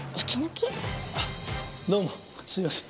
どうもすいません。